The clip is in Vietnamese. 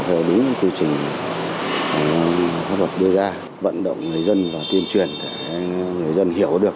theo đúng quy trình pháp luật đưa ra vận động người dân và tuyên truyền để người dân hiểu được